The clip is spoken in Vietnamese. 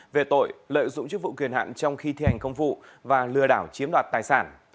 về tội lợi dụng chức vụ quyền hạn trong khi thi hành công vụ và lừa đảo chiếm đoạt tài sản